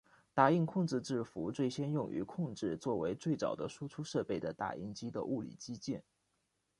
打印控制字符最先用于控制作为最早的输出设备的打印机的物理机件。